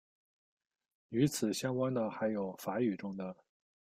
与此相关的还有法语中的。